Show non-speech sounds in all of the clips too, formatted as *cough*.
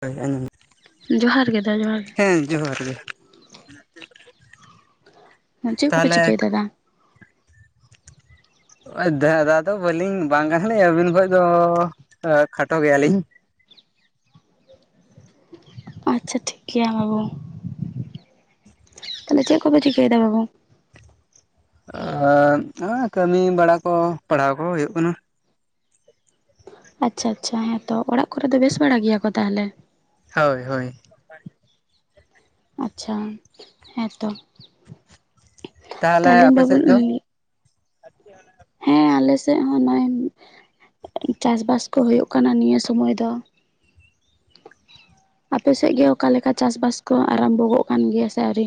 ᱦᱳᱭ ᱟᱸᱡᱚᱢᱚᱜ, ᱡᱚᱦᱟᱨ ᱜᱮ ᱫᱟ ᱡᱚᱦᱟᱨ ᱜᱮ ᱦᱮᱸ ᱡᱚᱦᱟᱨ ᱜᱮ ᱾ *unintelligible* ᱦᱮᱸ, ᱪᱮᱫ ᱠᱚᱯᱮ ᱪᱤᱠᱟᱹᱭᱫᱟ ᱫᱟ? ᱚᱼᱚᱭ ᱫᱟ ᱫᱟ ᱫᱚ ᱵᱟᱹᱞᱤᱧ ᱵᱟᱝ ᱠᱟᱱᱦᱟᱞᱤᱧ ᱟᱹᱵᱤᱱ ᱠᱷᱚᱡ ᱫᱚ ᱮ ᱠᱷᱟᱴᱚ ᱜᱮᱭᱟᱞᱤᱧ᱾ ᱟᱪᱪᱷᱟ ᱴᱷᱤᱠ ᱜᱮᱭᱟ ᱵᱟᱹᱵᱩ, ᱛᱟᱦᱚᱞᱮ ᱪᱮᱫ ᱠᱚᱯᱮ ᱪᱤᱠᱟᱹᱭ ᱫᱟ ᱵᱟᱹᱵᱩ? ᱟᱫ ᱟᱸ ᱠᱟᱹᱢᱤ ᱵᱟᱲᱟ ᱠᱚ ᱯᱟᱲᱦᱟᱣ ᱠᱚ ᱦᱩᱭᱩᱜ ᱠᱟᱱᱟ᱾ ᱟᱪᱪᱷᱟ ᱟᱪᱪᱷᱟ ᱦᱮᱸ ᱛᱚ, ᱚᱲᱟᱜ ᱠᱚᱨᱮ ᱫᱚ ᱵᱮᱥ ᱵᱟᱲᱟ ᱜᱮᱭᱟ ᱠᱚ ᱛᱟᱦᱚᱞᱮ? ᱦᱳᱭ ᱦᱳᱭ᱾ ᱟᱪᱪᱷᱟ ᱦᱮᱸᱛᱚ ᱛᱟᱦᱚᱞᱮ ᱛᱟᱦᱞᱮᱧ ᱟᱯᱮ ᱵᱟᱵᱩ ᱥᱮᱫ ᱫᱚ ᱤᱧ *unintelligible* ᱦᱮᱸ ᱟᱞᱮ ᱥᱮᱜ ᱦᱚᱸ ᱱᱟᱭᱮᱱ ᱪᱟᱥᱼᱵᱟᱥ ᱠᱚ ᱦᱳᱭᱳᱜ ᱠᱟᱱᱟ ᱱᱤᱭᱟᱹ ᱥᱩᱢᱟᱭ ᱫᱚ᱾ ᱟᱯᱮ ᱥᱮᱜ ᱜᱮ ᱚᱠᱟ ᱞᱮᱠᱟ ᱪᱟᱥᱼᱵᱟᱥ ᱠᱚ ᱟᱨᱟᱢᱵᱚᱜᱚᱜ ᱠᱟᱱ ᱜᱮᱭᱟ ᱥᱮ ᱟᱹᱣᱨᱤ?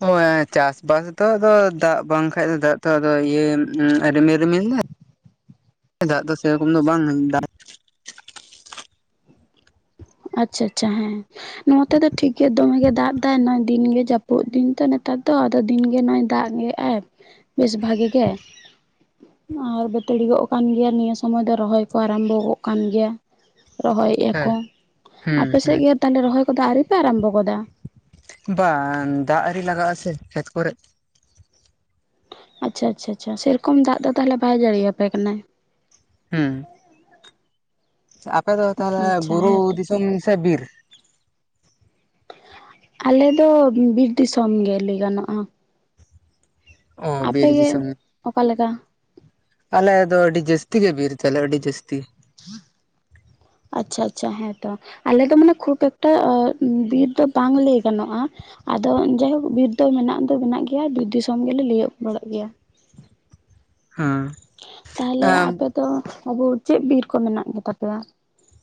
ᱦᱳᱭ ᱪᱟᱥᱼᱵᱟᱥ ᱫᱚ ᱟᱫᱚ ᱫᱟᱜ ᱵᱟᱝ ᱠᱷᱟᱡ ᱫᱚ ᱫᱟᱜ ᱛᱚ ᱟᱫᱚ ᱤᱭᱟᱹ ᱩᱢ ᱨᱤᱢᱤᱞ ᱨᱤᱢᱤᱞ ᱫᱟᱭ᱾ *inaudible* ᱫᱟᱜ ᱫᱚ ᱥᱮᱨᱚᱠᱚᱢ ᱫᱚ ᱵᱟᱝ ᱦᱮᱧ ᱫᱟᱭ᱾ ᱟᱪᱪᱷᱟ ᱟᱪᱪᱷᱟ ᱦᱮᱸ᱾ ᱱᱚᱛᱮ ᱫᱚ ᱴᱷᱤᱠ ᱜᱮ ᱫᱚᱢᱮᱜᱮ ᱫᱟᱜ ᱫᱟᱭ ᱱᱚᱜᱼᱚᱭ ᱫᱤᱱᱜᱮ ᱡᱟᱹᱯᱩᱜ ᱫᱤᱱ ᱛᱚ ᱱᱮᱛᱟᱨ ᱫᱚ ᱟᱫᱚ ᱫᱤᱱᱜᱮ ᱱᱚᱜᱼᱚᱭ ᱫᱟᱜ ᱮᱜ᱾ ᱟᱨ ᱵᱮᱥ ᱵᱷᱟᱜᱮ ᱜᱮ᱾ ᱟᱨ ᱵᱟᱹᱛᱟᱹᱲᱤ ᱜᱚᱜ ᱠᱟᱱ ᱜᱮᱭᱟ ᱱᱤᱭᱟᱹ ᱥᱩᱢᱟᱭ ᱫᱚ ᱨᱚᱦᱚᱭ ᱠᱚ ᱟᱨᱟᱢᱵᱚ ᱜᱚᱜ ᱠᱟᱱ ᱜᱮᱭᱟ᱾ ᱨᱚᱦᱚᱭ ᱮᱼᱟ ᱦᱮᱸ ᱠᱚ, ᱦᱩᱸ ᱟᱯᱮ ᱥᱮᱜ ᱦᱩᱸ ᱜᱮ ᱛᱟᱞᱦᱮ ᱨᱚᱦᱚᱭ ᱠᱚᱫᱚ ᱟᱣᱨᱤᱯᱮ ᱟᱨᱟᱢᱵᱚ ᱜᱚᱫᱟ? ᱵᱟᱱ ᱫᱟᱜ ᱟᱹᱨᱤ ᱞᱟᱜᱟ ᱟᱥᱮ ᱠᱷᱮᱛ ᱠᱚᱨᱮᱜ᱾ ᱪᱷᱟ ᱟᱪᱪᱷᱟ ᱟᱪᱷᱟ, ᱥᱮᱨᱚᱠᱚᱢ ᱫᱟᱜ ᱫᱚ ᱛᱟᱦᱚᱞᱮ ᱵᱟᱭ ᱡᱟᱹᱲᱤᱭᱟᱯᱮ ᱠᱟᱱᱟ? ᱦᱩᱸ᱾ ᱟᱯᱮ ᱫᱚ ᱛᱟᱦᱚᱞᱮ ᱟᱪᱪᱷᱟ ᱵᱩᱨᱩ ᱦᱮᱸᱛᱚ ᱫᱤᱥᱚᱢ ᱥᱮ ᱵᱤᱨ? ᱟᱞᱮ ᱫᱚ ᱵᱤᱨ ᱫᱤᱥᱚᱢ ᱜᱮ ᱞᱟᱹᱭ ᱜᱟᱱᱚᱜᱼᱟ᱾ ᱚ ᱟᱯᱮ ᱵᱤᱨ ᱜᱮ ᱫᱤᱥᱚᱢ ᱚᱠᱟ ᱞᱮᱠᱟ? ᱟᱞᱮ ᱫᱚ ᱟᱹᱰᱤ ᱡᱟᱹᱥᱛᱤ ᱜᱮ ᱵᱤᱨ ᱛᱟᱞᱮ, ᱟᱹᱰᱤ ᱡᱟᱹᱥᱛᱤ᱾ ᱟᱪᱪᱷᱟ ᱟᱪᱪᱷᱟ, ᱦᱮᱸᱛᱚ᱾ ᱟᱞᱮ ᱫᱚ ᱢᱟᱱᱮ ᱠᱷᱩᱯ ᱮᱠᱴᱟ ᱚᱜ ᱵᱤᱨ ᱫᱚ ᱵᱟᱝ ᱞᱟᱹᱭ ᱜᱟᱱᱚᱜᱼᱟ᱾ ᱟᱫᱚ ᱡᱟᱭᱦᱳᱠ ᱵᱤᱨ ᱫᱚ ᱢᱮᱱᱟᱜ ᱫᱚ ᱢᱮᱱᱟᱜ ᱜᱮᱭᱟ ᱵᱤᱨ ᱫᱤᱥᱚᱢ ᱜᱮᱞᱮ ᱞᱟᱹᱭᱚᱜ ᱵᱟᱲᱟᱜ ᱜᱮᱭᱟ᱾ ᱛᱟᱦᱞᱮ ᱦᱮᱸ ᱟᱯᱮ ᱫᱚ ᱟᱵᱚ ᱪᱮᱜ ᱵᱤᱨ ᱠᱚ ᱢᱮᱱᱟᱜ ᱜᱮᱛᱟ ᱯᱮᱭᱟ?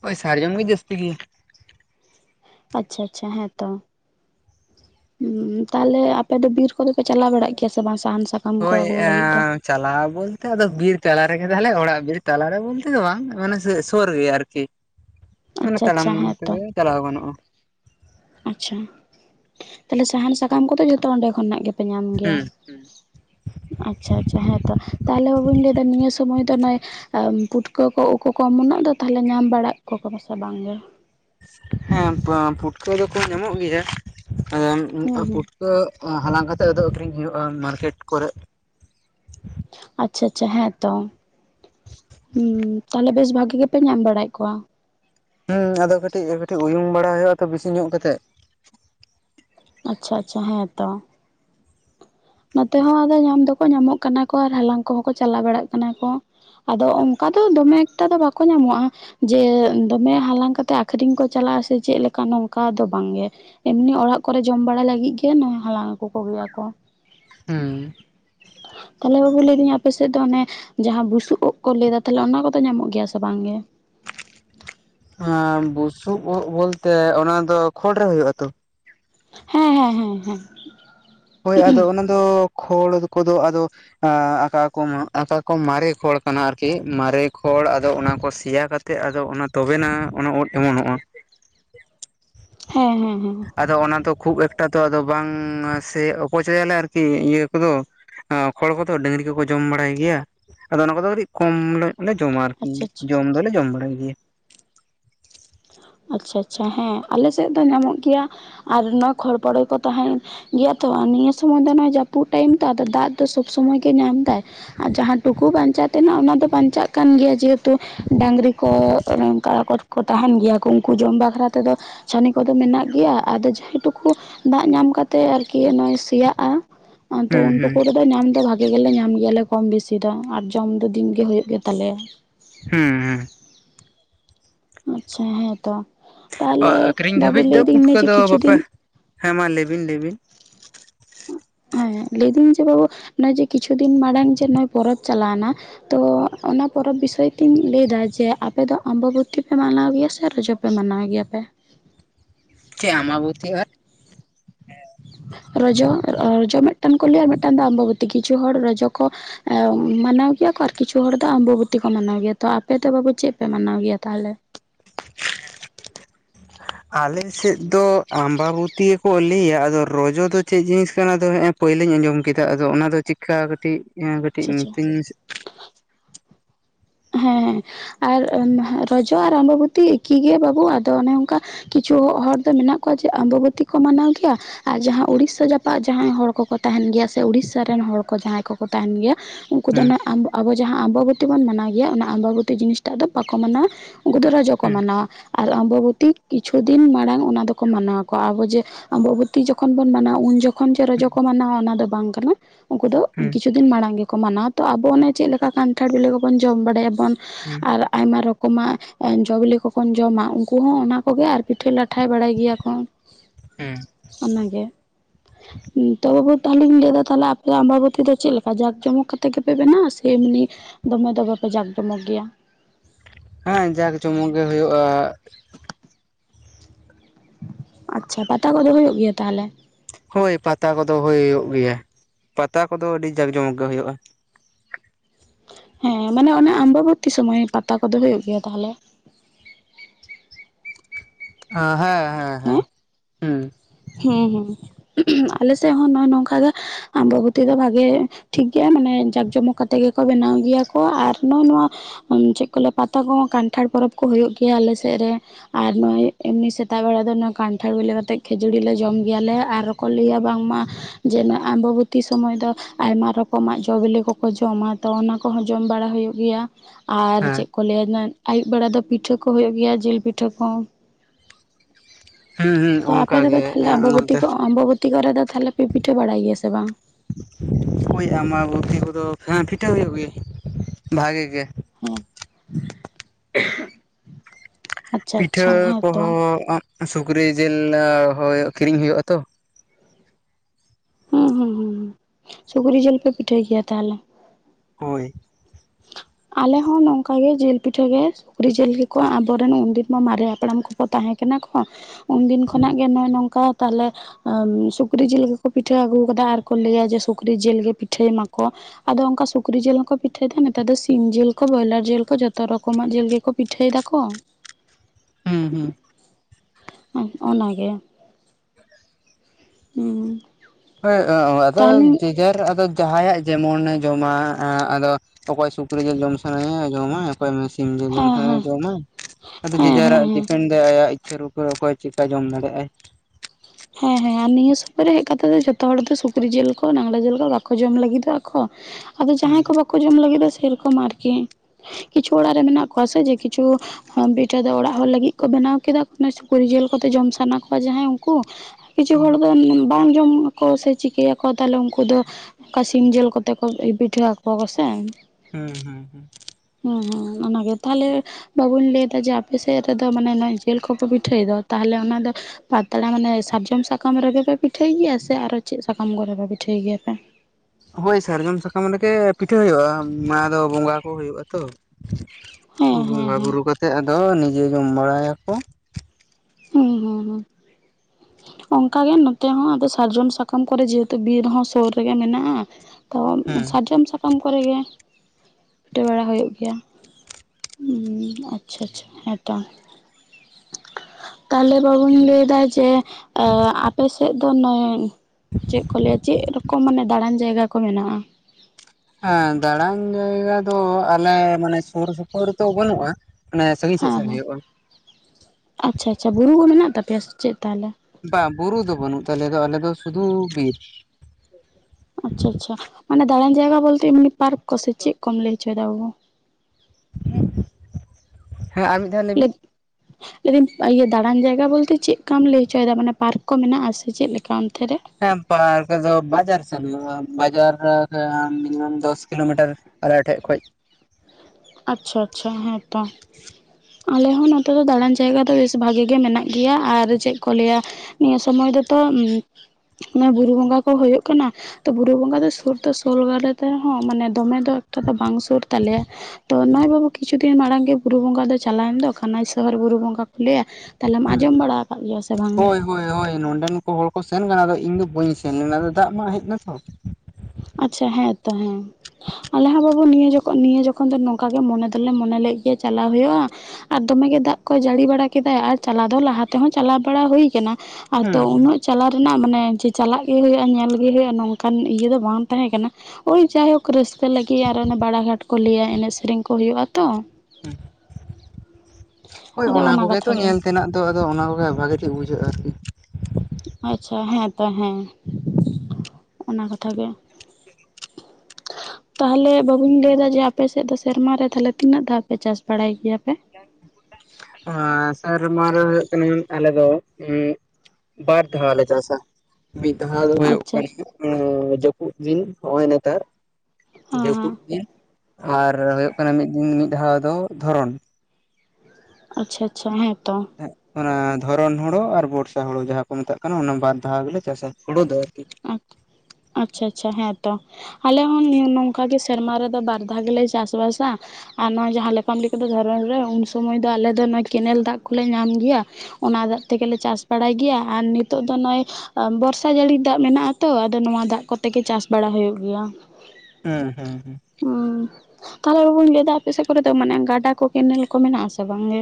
ᱦᱳᱭ, ᱥᱟᱨᱡᱚᱢ ᱜᱮ ᱡᱟᱹᱥᱛᱤ ᱜᱮᱭᱟ᱾ ᱟᱪᱪᱷᱟ ᱟᱪᱪᱷᱟ ᱦᱮᱸ ᱛᱚ᱾ ᱩᱸ ᱛᱟᱦᱚᱞᱮ ᱟᱯᱮ ᱫᱚ ᱵᱤᱨ ᱠᱚᱫᱚ ᱯᱮ ᱪᱟᱞᱟᱣ ᱵᱟᱲᱟᱜ ᱜᱮᱭᱟ ᱥᱮ ᱵᱟᱝ ᱥᱟᱦᱟᱱ ᱥᱟᱠ ᱦᱳᱭ ᱮᱸᱻ᱾ ᱪᱟᱞᱟᱣ ᱵᱚᱞᱛᱮ ᱟᱫᱚ ᱵᱤᱨ ᱛᱟᱞᱟ ᱨᱮᱜᱮ ᱛᱟᱞᱮ ᱚᱲᱟᱜ ᱵᱤᱨ ᱛᱟᱞᱟᱨᱮ ᱵᱚᱞᱛᱮ ᱫᱚ ᱵᱟᱝ, ᱢᱟᱱᱮ ᱥᱮ ᱥᱩᱨ ᱜᱮᱭᱟ ᱟᱨᱠᱤ᱾ *inaudible* ᱢᱟᱱᱮ ᱛᱟᱲᱟᱢ ᱦᱮᱸᱛᱚ ᱛᱮᱜᱮ ᱪᱟᱞᱟᱣ ᱜᱟᱱᱚᱜᱼᱟ᱾ ᱟᱪᱪᱷᱟ᱾ ᱛᱟᱦᱞᱮ ᱥᱟᱦᱟᱱ ᱥᱟᱠᱟᱢ ᱠᱚᱫᱚ ᱡᱚᱛᱚ ᱚᱸᱰᱮ ᱠᱷᱚᱱᱟᱜ ᱜᱮᱯᱮ ᱧᱟᱢ ᱜᱮᱭᱟ᱾ ᱦᱩᱸ᱾ ᱟᱪᱪᱷᱟ ᱟᱪᱪᱷᱟ ᱦᱮᱸᱛᱚ, ᱛᱟᱦᱞᱮ ᱵᱟᱹᱵᱩᱧ ᱞᱟᱹᱭᱫᱟ ᱱᱤᱭᱟᱹ ᱥᱚᱢᱚᱭ ᱫᱚ ᱱᱮ ᱮᱢ ᱯᱩᱴᱠᱟᱹ ᱠᱚ ᱩᱜ ᱠᱚᱠᱚ ᱚᱢᱚᱱᱚᱜ ᱫᱚ, ᱛᱟᱦᱞᱮ ᱧᱟᱢ ᱵᱟᱲᱟ ᱠᱚ ᱠᱚᱯᱮ ᱥᱮ ᱵᱟᱝ ᱜᱮ? ᱦᱮᱸ ᱯᱟᱸ ᱯᱩᱴᱠᱟᱹ ᱫᱚᱠᱚ ᱧᱟᱢᱚᱜ ᱜᱮᱭᱟ᱾ ᱦᱩᱸ ᱦᱩᱸ *unintelligible* ᱛᱚ ᱚᱸ ᱦᱟᱞᱟᱝ ᱠᱟᱛᱮᱜ ᱟᱫᱚ ᱟᱹᱠᱷᱨᱤᱧ ᱦᱩᱭᱩᱜᱼᱟ, ᱢᱟᱨᱠᱮᱴ ᱠᱚᱨᱮᱜ᱾ ᱟᱪᱪᱷᱟ ᱟᱪᱪᱷᱟ ᱦᱮᱸᱛᱚ᱾ ᱦᱩᱸ ᱛᱟᱦᱚᱞᱮ ᱵᱮᱥ ᱵᱷᱟᱜᱮ ᱜᱮᱯᱮ ᱧᱟᱢ ᱵᱟᱲᱟᱭᱮᱜ ᱠᱚᱣᱟ᱾ ᱦᱩᱸ ᱟᱫᱚ ᱠᱟᱹᱴᱤᱡ ᱮ ᱠᱟᱹᱴᱤᱡ ᱩᱭᱩᱝ ᱵᱟᱲᱟ ᱦᱩᱭᱩᱜ-ᱟ ᱛᱚ ᱵᱤᱥᱤ ᱧᱚᱜ ᱠᱟᱛᱮᱜ᱾ ᱟᱪᱷᱟ ᱟᱪᱷᱟ ᱦᱮᱸ ᱛᱚ᱾ ᱱᱚᱛᱮ ᱦᱚᱸ ᱟᱫᱚ ᱧᱟᱢ ᱫᱚᱠᱚ ᱧᱟᱢᱚᱜ ᱠᱟᱱᱟ ᱠᱚ, ᱟᱨ ᱦᱟᱞᱟᱝ ᱠᱚᱦᱚᱸ ᱠᱚ ᱪᱟᱞᱟᱣ ᱵᱟᱲᱟᱜ ᱠᱟᱱᱟ ᱠᱚ᱾ ᱟᱫᱚ ᱚᱱᱠᱟ ᱫᱚ ᱫᱚᱢᱮ ᱮᱠᱴᱟ ᱫᱚ ᱵᱟᱠᱚ ᱧᱟᱢᱚᱜᱼᱟ᱾ ᱡᱮ ᱫᱚᱢᱮ ᱦᱟᱞᱟᱝ ᱠᱟᱛᱮ ᱟᱹᱠᱷᱨᱤᱧ ᱠᱚ ᱪᱟᱞᱟᱜᱼᱟ, ᱥᱮ ᱪᱮᱜ ᱞᱮᱠᱟ ᱱᱚᱝᱠᱟ ᱫᱚ ᱵᱟᱝᱜᱮ᱾ ᱮᱢᱱᱤ ᱚᱲᱟᱜ ᱠᱚᱨᱮ ᱡᱚᱢ ᱵᱟᱲᱟ ᱞᱟᱹᱜᱤᱫ ᱜᱮ ᱱᱚᱭ ᱦᱟᱞᱟᱝ ᱟᱹᱠᱩ ᱠᱚ ᱜᱮᱭᱟ ᱠᱚ᱾ ᱦᱩᱸ᱾ ᱛᱟᱦᱞᱮ ᱵᱟᱹᱵᱩ ᱞᱟᱹᱭ ᱫᱤᱧ ᱟᱯᱮᱥᱮᱫ ᱫᱚ ᱚᱱᱮ ᱡᱟᱦᱟᱸ ᱵᱩᱥᱩᱵ ᱳᱜ ᱠᱚ ᱞᱟᱹᱭ ᱫᱟ ᱛᱟᱦᱞᱮ ᱚᱱᱟ ᱠᱚᱫᱚ ᱧᱟᱢᱚᱜ ᱜᱮᱭᱟ ᱥᱮ ᱵᱟᱝᱜᱮ? ᱮᱸ ᱵᱩᱥᱩᱵ ᱳᱜ ᱵᱚᱞᱛᱮ ᱚᱱᱟ ᱫᱚ ᱠᱷᱚᱲ ᱨᱮ ᱦᱩᱭᱩᱜ-ᱟ ᱛᱚ? ᱦᱮᱸ ᱦᱮᱸ ᱦᱮᱸ ᱦᱮᱸ᱾ ᱦᱳᱭ ᱟᱫᱚ ᱚᱱᱟ ᱫᱚ ᱠᱷᱚᱲ ᱠᱚᱫᱚ ᱟᱫᱚ? ᱟ ᱟᱠᱟ ᱠᱚ ᱟᱠᱟ ᱠᱚ ᱢᱟᱨᱮ ᱠᱷᱚᱲ ᱠᱟᱱᱟ ᱟᱨᱠᱤ, ᱢᱟᱨᱮ ᱠᱷᱚᱲ ᱟᱫᱚ ᱚᱱᱟᱠᱚ ᱥᱮᱭᱟ ᱠᱟᱛ ᱛᱮ ᱟᱫᱚ ᱚᱱᱟ ᱛᱚᱵᱮ ᱱᱟ ᱚᱱᱟ ᱳᱴ ᱚᱢᱚᱱᱚᱜᱼᱟ᱾ ᱦᱮᱸ ᱦᱮᱸ ᱦᱮᱸ᱾ ᱟᱫᱚ ᱚᱱᱟ ᱫᱚ ᱠᱷᱩᱵ ᱮᱠᱴᱟ ᱛᱚ ᱟᱫᱚ ᱵᱟᱝ ᱥᱮ ᱚᱯᱚᱪᱚᱭᱚᱞᱮ ᱟᱨᱠᱤ ᱤᱭᱟᱹ ᱠᱚᱫᱚ᱾ ᱚ ᱠᱷᱚᱲ ᱠᱚᱫᱚ ᱰᱟᱹᱝᱨᱤ ᱠᱚᱠᱚ ᱡᱚᱢ ᱵᱟᱲᱟᱭ ᱜᱮᱭᱟ᱾ ᱟᱫᱚ ᱚᱱᱟ ᱠᱚᱫᱚ ᱠᱟᱹᱴᱤᱜ ᱠᱚᱢ ᱞᱮ ᱚᱱᱮ ᱡᱚᱢᱟ ᱟᱨᱠᱤ ᱟᱪᱪᱷᱟ ᱟᱪᱪᱷᱟ ᱡᱚᱢ ᱫᱚᱞᱮ ᱡᱚᱢ ᱵᱟᱲᱟᱭ ᱜᱮᱭᱟ᱾ ᱟᱪᱷᱟ ᱟᱪᱷᱟ ᱦᱮᱸ ᱟᱞᱮ ᱥᱮᱫ ᱫᱚ ᱧᱟᱢᱚᱜ ᱜᱮᱭᱟ᱾ ᱟᱨ ᱱᱚᱣᱟ ᱠᱷᱚᱲ ᱯᱚᱲᱚᱭ ᱠᱚ ᱛᱟᱦᱮᱱ᱾ ᱜᱮᱭᱟ ᱛᱚ ᱟᱨ ᱱᱤᱭᱟᱹ ᱥᱚᱢᱚᱭ ᱫᱚ ᱡᱟᱹᱯᱩᱫ ᱴᱟᱭᱤᱢ ᱛᱚ ᱟᱫᱚ ᱫᱟᱜ ᱫᱚ ᱥᱚᱵ ᱥᱚᱢᱚᱭ ᱜᱮ ᱧᱟᱢ ᱫᱟᱭ, ᱟᱨ ᱡᱟᱦᱟᱸ ᱴᱩᱠᱩ ᱵᱟᱧᱪᱟ ᱛᱮᱱᱟᱜ ᱚᱱᱟ ᱫᱚ ᱵᱟᱧᱪᱟᱜ ᱠᱟᱱ ᱜᱮᱭᱟ ᱡᱮ ᱛᱚ ᱰᱟᱹᱝᱨᱤ ᱠᱚ ᱚᱱᱚᱝᱠᱟ ᱠᱚᱴᱠᱚ ᱛᱟᱦᱮᱱ ᱜᱮᱭᱟ ᱠᱚ, ᱩᱱᱠᱩ ᱡᱚᱢ ᱵᱟᱠᱷᱨᱟ ᱛᱮᱫᱚ ᱪᱷᱟᱹᱱᱤ ᱠᱚᱫᱚ ᱢᱮᱱᱟᱜ ᱜᱮᱭᱟ᱾ ᱟᱫᱚ ᱡᱷᱮ ᱴᱩᱠᱩ ᱫᱟᱜ ᱧᱟᱢ ᱠᱟᱛᱮᱜ ᱟᱨᱠᱤ ᱱᱚᱭ ᱥᱮᱭᱟᱜᱼᱟ᱾ ᱟᱫᱚ ᱦᱩᱸ ᱩᱱ ᱦᱩᱸ ᱴᱩᱠᱩ ᱨᱮᱫᱚ ᱧᱟᱢ ᱫᱚ ᱵᱷᱟᱜ ᱜᱮ ᱜᱮᱞᱮ ᱧᱟᱢ ᱜᱮᱭᱟᱞᱮ ᱠᱚᱢ ᱵᱮᱥᱤ ᱫᱚ ᱟᱨ ᱡᱚᱢ ᱫᱚ ᱫᱤᱱᱜᱮ ᱦᱳᱭᱳᱜ ᱜᱮᱛᱟ ᱞᱮᱭᱟ᱾ ᱦᱩᱸ ᱦᱩᱸ ᱾ ᱟᱪᱷᱟ ᱦᱮᱸ ᱛᱚ, ᱛᱟᱦᱟᱞᱮ ᱟᱹᱠᱷᱨᱤᱧ ᱵᱟᱹᱵᱩ ᱫᱷᱟᱹᱵᱤᱡ ᱫᱚ ᱞᱟᱹᱭᱫᱤᱧ ᱚᱱᱮ ᱯᱩᱴᱠᱟᱹ ᱡᱮ ᱫᱚ ᱠᱤᱪᱷᱩ ᱫᱤᱱ ᱵᱟᱯᱮ ᱦᱮᱸ ᱢᱟ ᱞᱟᱹᱭ ᱵᱤᱱ ᱞᱟᱹᱭ ᱵᱤᱱ᱾ ᱦᱮᱸ ᱞᱟᱹᱭᱫᱟᱹᱧ ᱡᱮ ᱵᱟᱹᱵᱩ, ᱱᱚᱜᱼᱚᱭ ᱡᱮ ᱠᱤᱪᱷᱩ ᱫᱤᱱ ᱢᱟᱲᱟᱝ ᱡᱮ ᱱᱚᱜ-ᱚᱭ ᱯᱚᱨᱚᱵᱽ ᱪᱟᱞᱟᱣᱱᱟ ᱛᱚ ᱚᱱᱟ ᱯᱚᱨᱚᱵᱽ ᱵᱤᱥᱚᱭ ᱛᱮᱧ ᱞᱟᱹᱭᱫᱟ ᱡᱮ ᱟᱯᱮ ᱫᱚ ᱟᱢᱵᱟᱵᱚᱛᱤ ᱯᱮ ᱢᱟᱱᱟᱣ ᱜᱮᱭᱟ, ᱥᱮ ᱨᱚᱡᱚ ᱯᱮ ᱢᱟᱱᱟᱣ ᱜᱮᱭᱟᱯᱮ? ᱪᱮᱫ ᱟᱢᱟᱵᱚᱛᱤ ᱟᱨ? ᱨᱚᱡᱚ ᱚ ᱨᱚᱡᱚ ᱢᱤᱫᱴᱟᱝ ᱠᱚ ᱞᱟᱹᱭᱟ ᱟᱨ ᱢᱤᱫᱴᱟᱝ ᱫᱚ ᱟᱢᱵᱟᱵᱚᱛᱤ ᱠᱤᱪᱷᱩ ᱦᱚᱲ ᱨᱚᱡᱚ ᱠᱚ ᱮ ᱢᱟᱱᱟᱣ ᱜᱮᱭᱟ ᱠᱚ ᱟᱨ ᱠᱤᱪᱷᱩ ᱦᱚᱲ ᱫᱚ ᱟᱢᱵᱟᱵᱚᱛᱤ ᱠᱚ ᱢᱟᱱᱟᱣ ᱜᱮᱭᱟ ᱛᱚ ᱟᱯᱮ ᱫᱚ ᱵᱟᱹᱵᱩ ᱪᱮᱫ ᱯᱮ ᱢᱟᱱᱟᱣ ᱜᱮᱭᱟ ᱛᱟᱦᱞᱮ? ᱟᱞᱮ ᱥᱮᱫ ᱫᱚ ᱟᱢᱵᱟᱵᱚᱛᱤ ᱜᱮᱠᱚ ᱟᱹᱞᱤᱹᱭᱟ᱾ ᱟᱫᱚ ᱨᱚᱡᱚ ᱫᱚ ᱪᱮᱫ ᱡᱤᱱᱤᱥ ᱠᱟᱱᱟ ᱫᱚ ᱦᱮᱸ ᱮ ᱯᱳᱭᱞᱳᱧ ᱟᱸᱡᱚᱢ ᱠᱮᱫᱟ, ᱟᱫᱚ ᱚᱱᱟ ᱫᱚ ᱪᱤᱠᱠᱟ ᱠᱟᱹᱴᱤᱡ ᱠᱟᱹᱴᱤᱡ ᱟᱪᱪᱷᱟ ᱟᱪᱪᱷᱟ ᱢᱤᱛᱟᱹᱧ ᱢᱮᱥᱮ, ᱦᱮᱸ ᱟᱨ ᱨᱚᱡᱚ ᱟᱨ ᱟᱢᱵᱟᱵᱚᱛᱤ ᱮᱠᱤ ᱜᱮᱭᱟ ᱵᱟᱹᱵᱩ ᱟᱫᱚ ᱚᱱᱮ ᱚᱱᱠᱟ ᱠᱤᱪᱷᱩ ᱦᱚᱲ ᱫᱚ ᱢᱮᱱᱟᱜ ᱠᱚᱣᱟ ᱡᱮ ᱟᱢᱵᱚᱵᱛᱤ ᱠᱚ ᱢᱟᱱᱟᱣ ᱜᱮᱭᱟ, ᱟᱨ ᱡᱟᱦᱟᱸ ᱳᱲᱤᱥᱥᱟ ᱡᱟᱯᱟᱜ ᱡᱟᱦᱟᱸᱭ ᱦᱚᱲ ᱠᱚᱠᱚ ᱛᱟᱦᱮᱱ ᱜᱮᱭᱟ ᱥᱮ ᱩᱲᱤᱥᱥᱟ ᱨᱮᱱ ᱦᱚᱲ ᱠᱚ ᱡᱟᱦᱟᱸᱭ ᱠᱚᱠᱚ ᱛᱟᱦᱮᱱ ᱜᱮᱭᱟ ᱩᱱᱠᱩ ᱫᱚ ᱦᱮᱸ ᱚᱱᱟ ᱟᱵᱚ, ᱟᱵᱚ ᱡᱟᱦᱟᱸ ᱟᱢᱵᱚᱵᱚᱛᱤ ᱵᱚᱱ ᱢᱟᱱᱟᱣ ᱜᱮᱭᱟ ᱚᱱᱟ ᱟᱢᱵᱟᱵᱚᱛᱤ ᱡᱤᱱᱤᱥ ᱴᱟᱜ ᱫᱚ ᱵᱟᱠᱚ ᱢᱟᱱᱟᱣᱟ᱾ ᱩᱱᱠᱩ ᱫᱚ ᱨᱟᱡᱚ ᱠᱚ ᱢᱟᱱᱟᱣᱟ ᱟᱨ ᱟᱢᱵᱚᱵᱚᱛᱤ ᱠᱤᱪᱷᱩ ᱫᱤᱱ ᱢᱟᱲᱟᱝ ᱚᱱᱟ ᱫᱚᱠᱚ ᱢᱟᱱᱟᱣ ᱟᱠᱚ᱾ᱟᱵᱚ ᱡᱮ ᱚᱢᱵᱚᱵᱚᱛᱤ ᱡᱚᱠᱷᱚᱱ ᱵᱚᱱ ᱢᱟᱱᱟᱣᱟ ᱩᱱ ᱡᱚᱠᱷᱚᱱ ᱡᱮ ᱨᱚᱡᱚ ᱠᱚ ᱢᱟᱱᱟᱣᱟ ᱚᱱᱟ ᱫᱚ ᱵᱟᱝ ᱠᱟᱱᱟ, ᱩᱱᱠᱩ ᱫᱚ ᱦᱩᱸ *unintelligible* ᱫᱤᱱ ᱢᱟᱲᱟᱝ ᱜᱮᱠᱚ ᱢᱟᱱᱟᱣᱟ ᱛᱚ ᱟᱵᱚ ᱚᱱᱮ ᱪᱮᱫ ᱞᱮᱠᱟ ᱠᱟᱱᱴᱷᱟᱲ ᱵᱤᱞᱤ ᱠᱚᱵᱚᱱ ᱡᱚᱢ ᱵᱟᱲᱟᱭ ᱟᱵᱚᱱ ᱦᱮᱸ, ᱟᱨ ᱟᱭᱢᱟ ᱨᱚᱠᱚᱢᱟᱜ ᱮ ᱡᱚ-ᱵᱤᱞᱤ ᱠᱚᱠᱚ ᱡᱚᱢᱟ᱾ ᱩᱱᱠᱩ ᱦᱚᱸ ᱚᱱᱟ ᱠᱚᱜᱮ ᱟᱨ ᱯᱤᱴᱷᱟᱹ- ᱞᱟᱴᱷᱟᱭ ᱵᱟᱲᱟᱭ ᱜᱮᱭᱟ ᱠᱚ᱾ ᱦ ᱦᱩᱸ᱾ ᱚᱱᱟᱜᱮ᱾ ᱛᱚ ᱵᱟᱹᱵᱩ ᱛᱟᱦᱞᱮᱧ ᱞᱟᱹᱭ ᱫᱟ, ᱛᱟᱦᱞᱮ ᱟᱯᱮᱭᱟᱜ ᱟᱢᱵᱟᱵᱚᱛᱤ ᱫᱚ ᱪᱮᱫ ᱞᱮᱠᱟ ᱡᱟᱠ-ᱡᱚᱢᱚᱠ ᱠᱟᱛᱮᱜ ᱜᱮᱯᱮ ᱵᱮᱱᱟᱜᱣᱟ ᱥᱮ ᱮᱢᱱᱤ ᱫᱚᱢᱮ ᱫᱚ ᱵᱟᱯᱮ ᱡᱟᱠᱼᱡᱚᱢᱚᱠ ᱜᱮᱭᱟ? ᱦᱮᱸ ᱡᱟᱠ-ᱡᱚᱢᱚᱠ ᱜᱮ ᱦᱩᱭᱩᱜᱼᱟ᱾ ᱟᱪᱪᱷᱟ ᱯᱟᱛᱟ ᱠᱚᱫᱚ ᱦᱩᱭᱩᱜ ᱜᱮᱭᱟ ᱛᱟᱦᱞᱮ? ᱦᱳᱭ, ᱯᱟᱛᱟ ᱠᱚᱫᱚ ᱦᱩᱭᱩᱜ ᱜᱮᱭᱟ᱾ ᱯᱟᱛᱟ ᱠᱚᱫᱚ ᱟᱹᱰᱤ ᱡᱟᱠᱼᱡᱚᱢᱚᱠ ᱜᱮ ᱦᱩᱭᱩᱜᱼᱟ᱾ ᱦᱮᱸ ᱢᱟᱱᱮ ᱚᱱᱟ ᱟᱢᱵᱟᱵᱚᱛᱤ ᱥᱚᱢᱚᱭ ᱯᱟᱛᱟ ᱠᱚᱫᱚ ᱦᱩᱭᱩᱜ ᱜᱮᱭᱟ ᱛᱟᱦᱞᱮ? ᱟ ᱦᱮᱸ ᱦᱮᱸ ᱦᱮᱸ ᱦᱩᱸ᱾ ᱦᱩᱸ ᱦᱩᱸ ᱟᱞᱮ ᱥᱮᱫ ᱦᱚᱸ ᱱᱚᱜᱼᱚᱭ ᱱᱚᱝᱠᱟ ᱜᱮ ᱟᱢᱵᱚᱵᱛᱤ ᱫᱚ ᱵᱷᱟᱜᱮ ᱴᱷᱤᱠ ᱜᱮᱭᱟ ᱢᱟᱱᱮ, ᱡᱟᱠ-ᱡᱚᱢᱚᱠ ᱠᱟᱛᱮ ᱜᱮᱠᱚ ᱵᱮᱱᱟᱣ ᱜᱮᱭᱟ ᱠᱚ ᱟᱨ ᱱᱚᱜᱼᱚᱭ ᱱᱚᱣᱟ ᱩᱸ ᱪᱮᱫ ᱠᱚ ᱞᱟᱹᱭᱟ ᱯᱟᱛᱟ ᱠᱚ ᱠᱟᱱᱴᱷᱟᱲ ᱯᱚᱨᱚᱵᱽ ᱠᱚ ᱦᱩᱭᱩᱜ ᱜᱮᱭᱟ ᱟᱞᱮ ᱥᱮᱫ ᱨᱮ᱾ ᱟᱨ ᱱᱚᱜ-ᱚᱭ ᱮᱢᱱᱤ ᱥᱮᱛᱟᱜ ᱵᱮᱲᱟ ᱫᱚ ᱱᱚ ᱠᱟᱱᱴᱷᱟᱲ ᱵᱤᱞᱤ ᱠᱟᱛᱮᱜ ᱜᱮ ᱠᱷᱟᱹᱡᱟᱹᱲᱤ ᱞᱮ ᱡᱚᱢ ᱜᱮᱭᱟ ᱞᱮ ᱟᱨᱦᱚ ᱠᱚ ᱞᱟᱹᱭᱟ ᱵᱟᱝᱢᱟ ᱡᱮ ᱱᱟᱜᱟ ᱟᱢᱵᱟᱵᱚᱛᱤ ᱥᱚᱢᱚᱭ ᱫᱚ ᱟᱭᱢᱟ ᱨᱚ ᱠᱚᱢᱟᱜ ᱡᱚ-ᱵᱤᱞᱤ ᱠᱚᱠᱚ ᱡᱚᱢᱟ ᱛᱚ ᱚᱱᱟ ᱠᱚᱦᱚᱸ ᱡᱚᱢ ᱵᱟᱲᱟ ᱦᱩᱭᱩᱜ ᱜᱮᱭᱟ᱾ ᱟᱨ ᱦᱮᱸ ᱪᱮᱫ ᱠᱚ ᱞᱟᱹᱭᱟ ᱱᱮᱜ ᱟᱹᱭᱩᱵ ᱵᱮᱲᱟ ᱫᱚ ᱯᱤᱴᱷᱟᱹ ᱠᱚ ᱦᱩᱭᱩᱜ ᱜᱮᱭᱟ, ᱡᱤᱞ ᱯᱤᱴᱷᱟᱹ ᱠᱚ᱾ ᱦᱩᱸ ᱦᱩᱸ ᱛᱚ ᱟᱯᱮ ᱚᱱᱠᱟ ᱫᱚᱯᱮ ᱜᱮ ᱛᱟᱦᱞᱮ ᱚᱢᱵᱚᱵᱚᱛᱤ ᱚᱱᱟᱛᱮ ᱠᱚ, ᱚᱢᱵᱚᱵᱚᱛᱤ ᱠᱚᱨᱮ ᱫᱚ ᱛᱟᱦᱞᱮ ᱯᱮ ᱯᱤᱴᱷᱹᱟ ᱵᱟᱲᱟᱭ ᱜᱮᱭᱟ ᱥᱮ ᱵᱟᱝ? ᱦᱚᱸᱜᱼᱚᱭ, ᱟᱢᱵᱟᱵᱚᱛᱤ ᱠᱚᱫᱚ ᱦᱮᱸ ᱯᱤᱴᱷᱟᱹ ᱦᱩᱭᱩᱜ ᱜᱮᱭᱟ ᱵᱷᱟᱜᱮ ᱜᱮ᱾ ᱦᱮᱸ᱾ ᱟᱪᱪᱷᱟ ᱯᱤᱴᱷᱟᱹ ᱟᱪᱪᱷᱟ ᱦᱮᱸᱛᱚ ᱠᱚᱦᱚᱸ ᱟᱸᱜ ᱥᱩᱠᱨᱤ ᱡᱤᱞ ᱦᱳᱭ ᱠᱤᱨᱤᱧ ᱦᱩᱭᱩᱜᱼᱟ ᱛᱚ᱾ ᱦᱩᱸ ᱦᱩᱸ ᱦᱩᱸ ᱦᱩᱸ ᱥᱩᱠᱨᱤ ᱡᱤᱞ ᱯᱮ ᱯᱤᱴᱷᱟᱹᱭ ᱜᱮᱭᱟ ᱛᱟᱦᱞᱮ? ᱦᱳᱭ᱾ ᱟᱞᱮ ᱦᱚᱸ ᱱᱚᱝᱠᱟ ᱜᱮ ᱡᱤᱞ ᱯᱤᱴᱷᱟᱹ ᱜᱮ᱾ ᱥᱩᱠᱷᱨᱤ ᱡᱤᱞ ᱜᱮᱠᱚ ᱟᱵᱚᱨᱮᱱ ᱩᱱᱫᱤᱱ ᱢᱟ ᱢᱟᱨᱮ ᱦᱟᱯᱲᱟᱢ ᱠᱚᱠᱚ ᱛᱟᱦᱮᱸ ᱠᱟᱱᱟ ᱠᱚ᱾ ᱩᱱᱫᱤᱱ ᱦᱩᱸ ᱠᱷᱚᱱᱟᱜ ᱜᱮ ᱱᱚᱜᱼᱚᱭ ᱱᱚᱝᱠᱟ ᱛᱟᱦᱞᱮ ᱟᱸ ᱥᱩᱠᱨᱤ ᱡᱤᱞ ᱜᱮᱠᱚ ᱯᱤᱴᱷᱟᱹ ᱟᱹᱜᱩ ᱠᱟᱫᱟ ᱟᱨᱠᱚ ᱞᱟᱹᱭᱟ ᱡᱮ ᱥᱩᱠᱨᱤ ᱡᱤᱞ ᱜᱮ ᱯᱤᱴᱷᱟᱹᱭ ᱢᱟᱠᱚ᱾ ᱟᱫᱚ ᱚᱱᱠᱟ ᱥᱩᱠᱨᱤ ᱡᱤᱞ ᱦᱚᱸᱠᱚ ᱯᱤᱴᱷᱟᱹᱭ ᱛᱟᱦᱮᱸᱱᱟ ᱱᱮᱛᱟᱨ ᱫᱚ ᱥᱤᱢ ᱡᱤᱞ ᱠᱚ, ᱵᱚᱭᱞᱟᱨ ᱡᱤᱞ ᱠᱚ ᱡᱷᱚᱛᱚ ᱨᱚᱠᱚᱢᱟᱜ ᱡᱤᱞ ᱜᱮᱠᱚ ᱯᱤᱴᱷᱟᱹᱭ ᱫᱟ ᱠᱚ᱾ ᱦᱩᱸ ᱦᱩᱸ᱾ ᱦᱩᱸ ᱚᱱᱟᱜᱮ᱾ ᱦᱩᱸ᱾ ᱦᱳᱭ ᱚ-ᱟᱫᱚ ᱛᱟᱦᱚᱞᱮ ᱡᱮ ᱡᱟᱨ ᱟᱫᱚ ᱡᱟᱦᱟᱸᱭᱟᱜ ᱡᱮᱢᱚᱱᱮ ᱡᱚᱢᱟ ᱟᱫᱚ ᱚᱠᱚᱭ ᱥᱩᱠᱨᱤ ᱡᱤᱞ ᱡᱚᱢ ᱥᱟᱱᱟᱭᱮᱭᱟ ᱡᱚᱢᱟᱭ, ᱚᱠᱚᱭ ᱥᱤᱢ ᱡᱤᱞ ᱡᱚᱢ ᱦᱮᱸ ᱦᱮᱸ ᱥᱟᱱᱟᱭᱮᱟ ᱡᱚᱢᱟᱭ᱾ ᱟᱫᱚ ᱡᱮ ᱦᱮᱸ ᱡᱟᱨᱟᱜ ᱦᱮᱸ ᱦᱮᱸ ᱰᱤᱯᱮᱱᱰ ᱫᱟᱭ ᱟᱭᱟᱜ ᱤᱪᱪᱷᱟᱹ *unintelligible* ᱚᱠᱚᱭ ᱪᱤᱠᱠᱟᱭ ᱡᱚᱢ ᱫᱟᱲᱮᱭᱟᱜ-ᱟᱭ᱾ ᱦᱮᱸ ᱦᱮᱸ ᱟᱨ ᱱᱤᱭᱟᱹ ᱥᱚᱢᱚᱭ ᱨᱮ ᱦᱮᱡ ᱠᱟᱛᱮ ᱫᱚ ᱡᱷᱚᱛᱚ ᱦᱚᱲ ᱫᱚ ᱥᱩᱠᱨᱤ ᱡᱤᱞ ᱠᱚ ᱰᱟᱝᱜᱽᱨᱟ ᱡᱤᱞ ᱠᱚ ᱵᱟᱠᱚ ᱡᱚᱢ ᱞᱟᱹᱜᱤᱫᱚᱜᱼᱟ ᱠᱚ᱾ ᱟᱫᱚ ᱦᱩᱸ ᱡᱟᱦᱟᱸᱭ ᱠᱚ ᱵᱟᱠᱚ ᱡᱚᱢ ᱞᱟᱹᱜᱤᱫᱚᱜᱼᱟ ᱥᱮᱨᱚᱠᱚᱢ ᱟᱨᱠᱤ, ᱠᱤᱪᱷᱩ ᱚᱲᱟᱜ ᱨᱮ ᱢᱮᱱᱟᱜ ᱠᱚᱣᱟ ᱥᱮ ᱡᱮ ᱠᱤᱪᱷᱩ *unintelligible* ᱯᱤᱴᱷᱟᱹ ᱫᱚ ᱚᱲᱟᱜ ᱦᱚᱲ ᱞᱟᱹᱜᱤᱫ ᱠᱚ ᱵᱮᱱᱟᱣ ᱠᱮᱫᱟ ᱥᱩᱠᱨᱤ ᱡᱤᱞ ᱠᱚᱛᱮ ᱡᱚᱢ ᱥᱟᱱᱟ ᱠᱚᱣᱟ ᱡᱟᱦᱟᱸᱭ ᱩᱱᱠᱩ ᱠᱤᱪᱷᱩ ᱦᱩᱸ ᱦᱚᱲ ᱫᱚ ᱵᱟᱝ ᱡᱚᱢ ᱟᱠᱚ ᱥᱮ ᱪᱤᱠᱟᱹᱭᱟᱠᱚ ᱛᱟᱦᱞᱮ ᱩᱱᱠᱩ ᱫᱚ ᱚᱝᱠᱟ ᱥᱤᱢ ᱡᱤᱞ ᱠᱚᱛᱮ ᱠᱚ ᱮ ᱯᱤᱴᱷᱟᱹ ᱟᱠᱚᱣᱟ ᱠᱚ ᱥᱮ᱾ ᱦᱩᱸ ᱦᱩᱸ ᱦᱩᱸ᱾ ᱦᱩᱸ ᱦᱩᱸ ᱚᱱᱟᱜᱮ ᱛᱟᱦᱚᱞᱮ ᱵᱟᱵᱤᱱ ᱞᱟᱹᱭᱫᱟ ᱡᱮ ᱟᱯᱮ ᱥᱮᱫ ᱨᱮᱫᱚ ᱢᱟᱱᱮ ᱱᱚᱭ ᱡᱮᱞ ᱠᱚᱠᱚ ᱯᱤᱴᱷᱟᱹᱭᱫᱚ ᱛᱟᱦᱚᱞᱮ ᱚᱱᱟᱫᱚ ᱯᱟᱛᱲᱟ ᱢᱟᱱᱮ ᱥᱟᱨᱡᱚᱢ ᱥᱟᱠᱟᱢ ᱨᱮᱜᱮ ᱯᱮ ᱯᱤᱴᱷᱟᱹᱭ ᱜᱮᱭᱟ ᱥᱮ ᱟᱨᱦᱚ ᱪᱮᱫ ᱥᱟᱠᱟᱢ ᱠᱚᱨᱮᱯᱮ ᱯᱤᱴᱷᱟᱹᱭ ᱜᱮᱭᱟᱯᱮ? ᱦᱳᱭ ᱥᱟᱨᱡᱚᱢ ᱥᱟᱠᱟᱢ ᱨᱮᱜᱮ ᱯᱤᱴᱷᱟᱹ ᱦᱩᱭᱩᱜᱼᱟ ᱚᱱᱟᱫᱚ ᱵᱚᱸᱜᱟ ᱠᱚ ᱦᱩᱭᱩᱜ ᱟᱛᱚ, ᱦᱮᱸ ᱦᱮᱸ ᱵᱚᱸᱜᱟ ᱦᱮᱸ ᱵᱩᱨᱩ ᱠᱟᱛᱮ ᱟᱫᱚ ᱱᱤᱡᱮ ᱡᱚᱢ ᱵᱟᱲᱟᱭᱟᱠᱚ᱾ ᱦᱩᱸ ᱦᱩᱸ ᱦᱩᱸ᱾ ᱚᱱᱠᱟᱜᱮ ᱱᱚᱛᱮ ᱦᱚᱸ ᱟᱫᱚ ᱥᱟᱨᱡᱚᱢ ᱥᱟᱠᱟᱢ ᱠᱚᱨᱮ ᱡᱮᱦᱮᱛᱩ ᱵᱤᱨ ᱦᱚᱸ ᱥᱳᱨ ᱨᱮᱜᱮ ᱢᱮᱱᱟᱜᱼᱟ᱾ ᱛᱚ ᱦᱮᱸ ᱥᱟᱨᱡᱚᱢ ᱥᱟᱠᱟᱢ ᱠᱚᱨᱮ ᱜᱮᱼᱼ ᱯᱤᱴᱟᱹ ᱵᱟᱲᱟ ᱦᱩᱭᱩᱜ ᱜᱮᱭᱟ ᱩᱸ ᱟᱪᱪᱷᱟ ᱟᱪᱪᱷᱟ ᱦᱮᱸ ᱛᱚ᱾ ᱛᱟᱦᱚᱞᱮ ᱵᱟᱹᱵᱩᱧ ᱞᱟᱹᱭ ᱮᱫᱟ ᱡᱮ ᱟᱸ ᱟᱯᱮᱥᱮᱫ ᱫᱚ ᱱᱚᱭᱼᱼ ᱪᱮᱫ ᱠᱚ ᱞᱟᱹᱭᱟ ᱪᱮᱫ ᱨᱚᱠᱚᱢ ᱢᱟᱱᱮ ᱫᱟᱬᱟᱱ ᱡᱟᱭᱜᱟ ᱠᱚ ᱢᱮᱱᱟᱜᱼᱟ? ᱦᱮᱸ ᱫᱟᱬᱟᱱ ᱡᱟᱭᱜᱟ ᱫᱚ ᱟᱞᱮ ᱢᱟᱱᱮ ᱥᱳᱨ ᱥᱳᱯᱳᱨ ᱨᱮ ᱛᱚ ᱵᱟᱹᱱᱩᱜᱼᱟ᱾ ᱦᱟᱱᱮ ᱥᱟᱺᱜᱤᱧ ᱥᱮᱜ ᱦᱮᱸ ᱥᱮᱱ ᱦᱮᱸ ᱦᱳᱭᱳᱜᱼᱟ᱾ ᱟᱪᱪᱷᱟ ᱟᱪᱪᱷᱟ ᱵᱩᱨᱩ ᱦᱚᱸ ᱢᱮᱱᱟᱜ ᱛᱟᱯᱮᱭᱟ ᱥᱮ ᱪᱮᱫ ᱛᱟᱦᱚᱞᱮ? ᱵᱟᱝ ᱵᱩᱨᱩ ᱫᱚ ᱵᱟᱹᱱᱩᱜ ᱛᱟᱞᱮ ᱫᱚ ᱟᱞᱮ ᱫᱚ ᱥᱩᱫᱩ ᱵᱤᱨ᱾ ᱟᱪᱪᱷᱟ ᱟᱪᱪᱷᱟ ᱢᱟᱱᱮ ᱫᱟᱬᱟᱱ ᱡᱟᱭᱜᱟ ᱵᱚᱞᱛᱮ ᱮᱢᱱᱤ ᱯᱟᱨᱠ ᱠᱚ ᱥᱮ ᱪᱮᱫ ᱠᱚᱢ ᱞᱟᱹᱭ ᱦᱟᱪᱚᱭᱮᱫᱟ ᱵᱟᱹᱵᱩ᱾ ᱦᱮᱸ ᱟᱨ ᱢᱤᱫᱼᱼ ᱞᱮᱫ *inaudible* ᱞᱟᱹᱭᱫᱤᱱ ᱤᱭᱟᱹ ᱫᱟᱬᱟᱱ ᱡᱟᱭᱜᱟ ᱵᱚᱞᱛᱮ ᱪᱮᱜ ᱠᱟᱢ ᱞᱟᱹᱭ ᱦᱚᱪᱚᱭᱮᱫᱟ ᱢᱟᱱᱮ ᱯᱟᱨᱠ ᱠᱚ ᱢᱮᱱᱟᱜᱼᱟ ᱥᱮ ᱪᱮᱫ ᱞᱮᱠᱟ ᱚᱱᱛᱮ ᱨᱮ? ᱦᱮᱸ ᱯᱟᱨᱠ ᱫᱚ ᱵᱟᱡᱟᱨ ᱥᱮᱱ ᱦᱩᱭᱩᱜ ᱟ ᱵᱟᱡᱟᱨ ᱮᱸ ᱢᱤᱱᱤᱢᱟᱢ ᱫᱚᱥ ᱠᱤᱞᱳᱢᱤᱴᱟᱨᱼᱼ ᱟᱞᱮ ᱴᱷᱮᱡ ᱠᱷᱚᱡ᱾ ᱟᱪᱪᱷᱟ ᱟᱪᱪᱷᱟ ᱦᱮᱸ ᱛᱚ᱾ ᱟᱞᱮ ᱦᱚᱸ ᱱᱚᱛᱮ ᱫᱚ ᱫᱟᱬᱟᱱ ᱡᱟᱭᱜᱟ ᱫᱚ ᱵᱮᱥ ᱵᱷᱟᱜᱮ ᱜᱮ ᱢᱮᱱᱟᱜ ᱜᱮᱭᱟ ᱟᱨ ᱪᱮᱫ ᱠᱚ ᱞᱟᱹᱭᱟ᱾ ᱱᱤᱭᱟᱹ ᱥᱚᱢᱚᱭ ᱫᱚᱛᱚ ᱩᱸ ᱱᱚᱣᱟ ᱵᱩᱨᱩ ᱵᱚᱸᱜᱟ ᱠᱚ ᱦᱳᱭᱳᱜ ᱠᱟᱱᱟ᱾ ᱛᱚ ᱵᱩᱨᱩ ᱵᱚᱸᱜᱟ ᱫᱚ ᱥᱩᱨ ᱫᱚ ᱥᱳᱞ ᱵᱟᱨᱮ ᱛᱮᱦᱚᱸ ᱢᱟᱱᱮ ᱫᱚᱢᱮ ᱫᱚ ᱮᱠᱴᱟ ᱫᱚ ᱵᱟᱝ ᱥᱩᱨ ᱛᱟᱞᱮᱭᱟ᱾ ᱛᱚ ᱱᱚᱭ ᱦᱩᱸ ᱵᱟᱵᱩ ᱠᱤᱪᱷᱩ ᱫᱤᱱ ᱢᱟᱲᱟᱝ ᱜᱮ ᱵᱩᱨᱩ ᱵᱚᱸᱜᱟ ᱫᱚ ᱪᱟᱞᱟᱣᱮᱱ ᱫᱚ ᱠᱟᱱᱟᱭ ᱥᱚᱦᱚᱨ ᱵᱩᱨᱩ ᱵᱚᱸᱜᱟ ᱠᱩ ᱞᱟᱹᱭᱟ᱾ ᱛᱟᱦᱞᱮᱢ ᱟᱸᱡᱚᱢ ᱵᱟᱲᱟ ᱟᱠᱟᱜ ᱜᱮᱭᱟ ᱥᱮ ᱵᱟᱝᱜᱮ? ᱦᱳᱭ ᱦᱳᱭ ᱦᱳᱭ ᱱᱚᱰᱮᱱ ᱠᱚ ᱦᱚᱲ ᱠᱚ ᱥᱮᱱ ᱠᱟᱱᱟ ᱟᱫᱚ ᱤᱧ ᱫᱚ ᱵᱟᱹᱧ ᱥᱮᱱ ᱞᱮᱱᱟ ᱟᱫᱚ ᱫᱟᱜ ᱢᱟᱜ ᱦᱮᱡ ᱮᱱᱟᱛᱚ᱾ ᱟᱪᱪᱷᱟ ᱦᱮᱸᱛᱚ ᱦᱮᱸ᱾ ᱟᱞᱮ ᱦᱚᱸ ᱵᱟᱹᱵᱩ ᱱᱤᱭᱟᱹ ᱡᱚᱠᱷᱚᱜ ᱱᱤᱭᱟᱹ ᱡᱚᱠᱷᱚᱱ ᱫᱚ ᱱᱚᱝᱠᱟᱜᱮ ᱢᱚᱱᱮ ᱫᱚᱞᱮ ᱢᱚᱱᱮ ᱞᱮᱫ ᱜᱮ ᱪᱟᱞᱟᱣ ᱦᱩᱭᱩᱜᱼᱟ᱾ ᱟᱨ ᱫᱚᱢᱮ ᱜᱮ ᱫᱟᱜ ᱠᱚᱭ ᱡᱟᱹᱲᱤ ᱵᱟᱲᱟ ᱠᱮᱫᱟᱭ ᱟᱨ ᱪᱟᱞᱟᱣ ᱫᱚ ᱞᱟᱦᱟ ᱛᱮᱦᱚᱸ ᱪᱟᱞᱟᱣ ᱵᱟᱲᱟ ᱦᱩᱭ ᱠᱟᱱᱟ᱾ ᱦᱩᱸ ᱟᱫᱚ ᱦᱩᱸ ᱩᱱᱟᱹᱜ ᱪᱟᱞᱟᱣ ᱨᱮᱱᱟᱜ ᱢᱟᱱᱮ ᱡᱮ ᱪᱟᱞᱟᱜ ᱜᱮ ᱦᱩᱭᱩᱜᱼᱟ ᱧᱮᱞ ᱜᱮ ᱦᱩᱭᱩᱜᱼᱟ ᱱᱚᱝᱠᱟᱱ ᱤᱭᱟᱹ ᱫᱚ ᱵᱟᱝ᱾ ᱛᱟᱦᱮᱸ ᱠᱟᱱᱟ ᱳᱭ ᱡᱟᱭᱦᱳᱠ ᱨᱟᱹᱥᱠᱟᱹ ᱞᱟᱹᱜᱤᱫ ᱟᱨ ᱚᱱᱮ ᱵᱟᱲᱟᱜᱷᱟᱴ ᱠᱚ ᱞᱟᱹᱭᱟ ᱮᱱᱮᱡ ᱥᱮᱨᱮᱧ ᱠᱚ ᱦᱩᱭᱩᱜᱼᱟ ᱛᱚ᱾ ᱦᱩᱸ ᱦᱳᱭ ᱟᱫᱚ ᱚᱱᱟ ᱠᱚᱜᱮ ᱠᱟᱛᱷᱟ ᱛᱚ ᱜᱮ ᱧᱮᱞ ᱛᱮᱱᱟᱜ᱾ ᱛᱚ ᱟᱫᱚ ᱚᱱᱟ ᱠᱚᱜᱮ ᱵᱷᱟᱜᱮ ᱴᱷᱤᱜ ᱵᱩᱡᱷᱟᱹᱜᱼᱟ ᱟᱨᱠᱤ᱾ ᱟᱪᱪᱷᱟ ᱦᱮᱸᱛᱚ ᱦᱮᱸ ᱚᱱᱟ ᱠᱟᱛᱷᱟ ᱜᱮ᱾ *inaudible* ᱛᱟᱦᱞᱮ ᱵᱟᱹᱵᱩᱧ ᱞᱟᱹᱭᱮᱫᱟ ᱡᱮ ᱟᱯᱮᱥᱮᱜ ᱫᱚ ᱥᱮᱨᱢᱟᱨᱮ ᱛᱷᱟᱞᱮ ᱛᱤᱱᱟᱹᱜ ᱫᱷᱟᱣ ᱯᱮ ᱪᱟᱥ ᱵᱟᱲᱟᱭ ᱜᱮᱭᱟᱯᱮ? ᱱᱚᱣᱟ ᱥᱮᱨᱢᱟᱨᱮ ᱦᱩᱭᱩᱜ ᱠᱟᱱᱟᱧ ᱟᱞᱮ ᱫᱚᱼᱼ ᱵᱟᱨ ᱫᱷᱟᱣ ᱞᱮ ᱪᱟᱥᱟ᱾ ᱢᱤᱫ ᱫᱷᱟᱣ ᱫᱚ ᱦᱩᱭᱩᱜ ᱟᱪᱪᱷᱟ ᱠᱟᱱᱟ ᱟᱪᱪᱷᱟ ᱩᱸ ᱡᱟᱹᱯᱩᱫ ᱫᱤᱱ ᱱᱚᱜᱼᱚᱭ ᱱᱮᱛᱟᱨ᱾ ᱦᱮᱸ ᱦᱮᱸ ᱡᱟᱹᱯᱩᱫ ᱫᱤᱱ ᱟᱨ ᱦᱳᱭᱳᱜ ᱠᱟᱱᱟ ᱢᱤᱫ ᱫᱤᱱ ᱢᱤᱫ ᱫᱷᱟᱣ ᱫᱚ ᱫᱷᱚᱨᱚᱱ᱾ ᱟᱪᱪᱷᱟ ᱟᱪᱪᱷᱟ ᱦᱮᱸ ᱛᱚ᱾ ᱚᱱᱟ ᱫᱷᱚᱨᱚᱱ ᱦᱳᱲᱳ ᱟᱨ ᱵᱚᱨᱥᱟ ᱦᱳᱲᱳ ᱡᱟᱦᱟᱸ ᱠᱚ ᱢᱮᱛᱟᱜ ᱠᱟᱱᱟ ᱚᱱᱟ ᱵᱟᱨᱫᱷᱟᱣ ᱜᱮᱞᱮ ᱪᱟᱥᱟ ᱦᱳᱲᱳ ᱫᱚ ᱟᱨᱠᱤ᱾ ᱟᱭ ᱟᱪᱪᱷᱟ ᱟᱪᱪᱷᱟ ᱦᱮᱸ ᱛᱚ᱾ ᱟᱞᱮ ᱦᱚᱸ ᱱᱚᱝᱠᱟᱜᱮ ᱥᱮᱨᱢᱟ ᱨᱮᱫᱚ ᱵᱟᱨ ᱫᱷᱟᱣ ᱜᱮᱞᱮ ᱪᱟᱥᱵᱟᱥᱟ᱾ ᱟᱨ ᱱᱚᱣᱟ ᱡᱟᱦᱟᱸ ᱞᱮᱠᱟᱢ ᱞᱟᱭ ᱠᱮᱫ ᱫᱚ ᱫᱷᱚᱨᱚᱱ ᱨᱮ ᱩᱱ ᱥᱚᱢᱚᱭ ᱫᱚ ᱟᱞᱮ ᱫᱚ ᱱᱚᱣᱟ ᱠᱮᱱᱮᱞ ᱫᱟᱜ ᱠᱚᱞᱮ ᱧᱟᱢ ᱜᱤᱭᱟ᱾ ᱚᱱᱟ ᱫᱟᱜ ᱛᱮᱜᱮᱞᱮ ᱪᱟᱥ ᱵᱟᱲᱟᱭ ᱜᱮᱭᱟ ᱟᱨ ᱱᱤᱛᱳᱜ ᱫᱚ ᱱᱚᱜᱼᱚᱭ ᱮᱸ ᱵᱚᱨᱥᱟ ᱡᱟᱹᱲᱤᱼᱼ ᱫᱟᱜ ᱢᱮᱱᱟᱜ-ᱟ ᱛᱚ ᱟᱫᱚ ᱱᱚᱣᱟ ᱫᱟᱜ ᱠᱚᱛᱮ ᱜᱮ ᱪᱟᱥ ᱵᱟᱲᱟ ᱦᱩᱭᱩᱜ ᱜᱮᱭᱟ᱾ ᱦᱩᱸ ᱦᱩᱸ ᱦᱩᱸ᱾ ᱩᱸ ᱛᱟᱦᱚᱞᱮ ᱵᱟᱵᱩᱧ ᱞᱟᱹᱭᱮᱫᱟ ᱟᱯᱮ ᱥᱮᱫ ᱠᱚᱨᱮ ᱫᱚ ᱢᱟᱱᱮ ᱜᱟᱰᱟ ᱠᱚ ᱠᱮᱱᱮᱞ ᱠᱚ ᱢᱮᱱᱟᱜ ᱟᱥᱮ ᱵᱟᱝ ᱜᱮ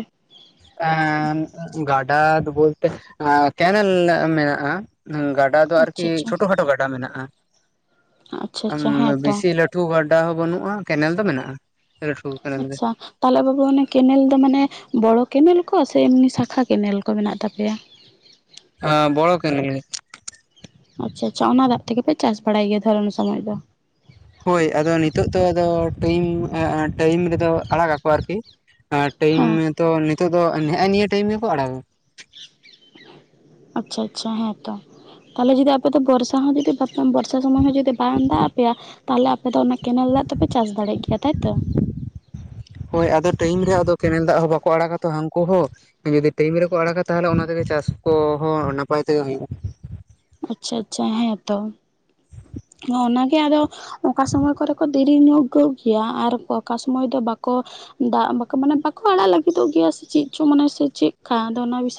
ᱮᱸ ᱜᱟᱰᱟ ᱫᱚ ᱵᱚᱞᱛᱮ ᱟ ᱠᱮᱱᱮᱞ ᱢᱮᱱᱟᱜᱼᱟ᱾ ᱚᱸ ᱜᱟᱰᱟ ᱫᱚ ᱟᱨᱠᱤ ᱟᱪᱪᱷᱟ ᱟᱪᱪᱷᱟ ᱪᱷᱳᱴᱳ ᱠᱷᱟᱴᱳ ᱜᱟᱰᱟ ᱢᱮᱱᱟᱜᱼᱟ᱾ ᱟᱪᱪᱷᱟ ᱟᱸ ᱟᱪᱪᱷᱟ ᱦᱮᱸᱛᱚ ᱵᱮᱥᱤ ᱞᱟᱹᱴᱷᱩ ᱜᱟᱰᱟ ᱦᱚᱸ ᱵᱟᱹᱱᱩᱜᱼᱟ ᱠᱮᱱᱮᱞ ᱫᱚ ᱢᱮᱱᱟᱜᱼᱟ ᱞᱟᱹᱴᱷᱩ ᱠᱮᱱᱮᱞ ᱜᱮ ᱟᱪᱪᱷᱟ ᱛᱟᱦᱚᱞᱮ ᱵᱟᱹᱵᱩ ᱚᱱᱮ ᱠᱮᱱᱮᱞ ᱫᱚ ᱢᱟᱱᱮ ᱵᱚᱲᱚ ᱠᱮᱱᱮᱞ ᱠᱚ ᱥᱮ ᱮᱢᱱᱤ ᱥᱟᱠᱷᱟ ᱠᱮᱱᱮᱞ ᱠᱚ ᱢᱮᱱᱟᱜ ᱛᱟᱯᱮᱭᱟ᱾ ᱟ ᱵᱚᱲᱚ ᱠᱮᱱᱮᱞ ᱜᱮ ᱟᱪᱪᱷᱟ ᱟᱪᱪᱷᱟ ᱚᱱᱟ ᱫᱟᱜ ᱛᱮᱜᱮ ᱯᱮ ᱪᱟᱥ ᱵᱟᱲᱟᱭ ᱜᱮᱭᱟ ᱛᱷᱚᱨ ᱩᱱ ᱥᱚᱢᱚᱭ ᱫᱚ ᱦᱳᱭ ᱟᱫᱚ ᱱᱤᱛᱚᱜ ᱫᱚ ᱟᱫᱚ ᱴᱟᱭᱤᱢ *unintelligible* ᱴᱟᱭᱤᱢ ᱨᱮᱫᱚ ᱟᱲᱟᱜᱟ ᱠᱚ ᱟᱨᱠᱤ ᱟ ᱴᱟᱭᱤᱢ ᱦᱮᱸ ᱛᱚ ᱱᱤᱛᱚᱜ ᱫᱚ ᱱᱮᱜᱷᱼ ᱱᱤᱭᱟᱹ ᱴᱟᱭᱤᱢ ᱜᱮᱠᱚ ᱟᱲᱟᱜᱟ ᱟᱪᱪᱷᱟ ᱟᱪᱪᱷᱟ ᱦᱮᱸ ᱛᱚ ᱛᱟᱦᱚᱞᱮ ᱡᱩᱫᱤ ᱟᱯᱮ ᱫᱚ ᱵᱚᱨᱥᱟ ᱦᱚᱸ ᱡᱩᱫᱤ ᱵᱟ ᱵᱚᱨᱥᱟ ᱫᱚ ᱢᱟᱱᱮ ᱡᱩᱫᱤ ᱵᱟᱝ ᱫᱟᱜ ᱟᱯᱮᱭᱟ ᱛᱟᱦᱚᱞᱮ ᱟᱯᱮ ᱫᱚ ᱚᱱᱟ ᱠᱮᱱᱮᱞ ᱫᱟᱜ ᱫᱚᱯᱮ ᱪᱟᱥ ᱫᱟᱲᱮᱭᱟᱜ ᱜᱮᱭᱟ ᱛᱟᱭᱛᱚ ᱦᱳᱭ ᱟᱫᱚ ᱴᱟᱭᱤᱢ ᱨᱮ ᱟᱫᱚ ᱠᱮᱱᱮᱞ ᱫᱟᱜ ᱦᱚᱸ ᱵᱟᱠᱚ ᱟᱲᱟᱜᱟ ᱛᱚ ᱦᱟᱹᱱᱠᱩ ᱦᱚᱸ ᱡᱩᱫᱤ ᱴᱟᱭᱤᱢ ᱨᱮᱠᱚ ᱟᱲᱟᱜᱟ ᱛᱟᱦᱚᱞᱮ ᱚᱱᱟ ᱛᱮᱜᱮ ᱪᱟᱥ ᱠᱚᱦᱚᱸ ᱱᱟᱯᱟᱭ ᱛᱮᱜᱮ ᱦᱩᱭᱩᱜ ᱟᱪᱪᱷᱟ ᱟᱪᱪᱷᱟ ᱦᱮᱸᱛᱚ ᱚᱱᱟᱜᱮ ᱟᱫᱚ ᱚᱠᱟ ᱥᱚᱢᱚᱭ ᱠᱚᱨᱮ ᱠᱚ ᱫᱮᱨᱤ ᱧᱚᱜᱚᱜ ᱜᱮᱭᱟ ᱟᱨ ᱚᱠᱟ ᱥᱚᱢᱚᱭ ᱫᱚ ᱵᱟᱠᱚ ᱫᱟᱜ ᱵᱟᱠᱚ ᱢᱟᱱᱮ ᱵᱟᱠᱚ ᱟᱲᱟᱜ ᱞᱟᱹᱜᱤᱫᱚᱜ ᱜᱮᱭᱟ ᱥᱮ ᱪᱮᱫ ᱪᱚᱝ ᱢᱟᱱᱮ ᱥᱮ ᱪᱮᱫᱠᱟ ᱟᱫᱚ ᱚᱱᱟ ᱵᱤᱥᱚᱭ